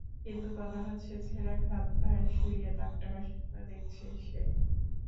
কিন্তু কথা হচ্ছে ছেঁড়া কাঁথায় শুয়ে লাখ টাকার স্বপ্ন দেখেছে সে।